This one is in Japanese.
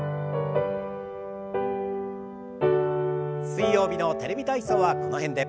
水曜日の「テレビ体操」はこの辺で。